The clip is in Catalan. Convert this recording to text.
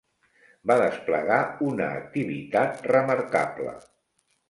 Va desplegar una activitat remarcable.